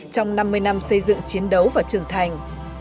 trong năm mươi năm xây dựng chiến đấu và trưởng thành